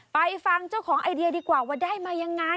ไปฟังเจ้าของไอเดียดีกว่าว่าได้มายังไง